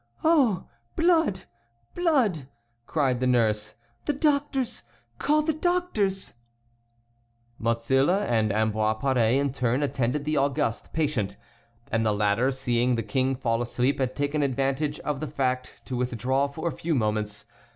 "Oh! Blood! Blood!" cried the nurse. "The doctors! call the doctors!" Mozille and Ambroise Paré in turn attended the august patient, and the latter, seeing the King fall asleep, had taken advantage of the fact to withdraw for a few moments.